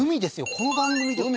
この番組で海？